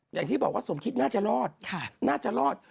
อย่างที่บอกว่าสมคิดน่าจะรอดน่าจะรอด